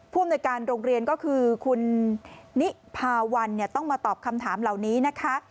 อำนวยการโรงเรียนก็คือคุณนิพาวันต้องมาตอบคำถามเหล่านี้นะคะ